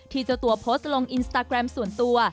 ที่จตัวโพสต์ลงอินสตาร์กแรมส่วนตัว